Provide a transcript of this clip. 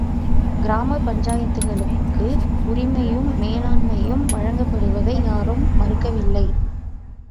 கிராம பஞ்சாயத்துகளுக்கு உரிமையும் மேலாண்மையும் வழங்கப்படுவதை யாரும் மறுக்கவில்லை.